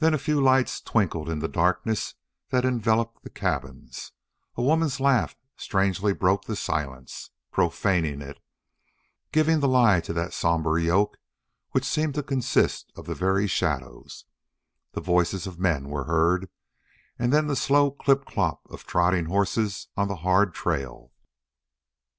Then a few lights twinkled in the darkness that enveloped the cabins; a woman's laugh strangely broke the silence, profaning it, giving the lie to that somber yoke which seemed to consist of the very shadows; the voices of men were heard, and then the slow clip clop of trotting horses on the hard trail.